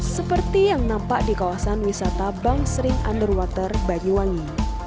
seperti yang nampak di kawasan wisata bangsering underwater banyuwangi